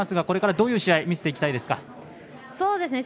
これからどういう試合を見せていきたいですか？